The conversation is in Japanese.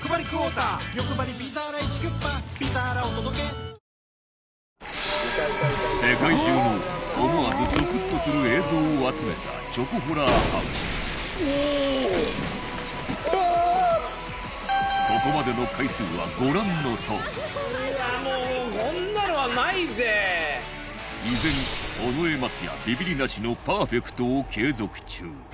血圧１３０超えたらサントリー「胡麻麦茶」世界中の思わずゾクッとする映像を集めたチョコホラーハウスああっここまでの回数はご覧のとおりもうこんなのはないぜ依然尾上松也ビビりなしのパーフェクトを継続中